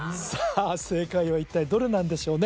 正解は一体どれなんでしょうね